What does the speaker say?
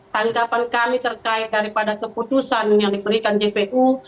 tanggapan kami terkait daripada keputusan yang diberikan jpu